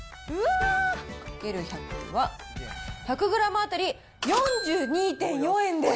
かける１００は、１００グラム当たり４２．４円です。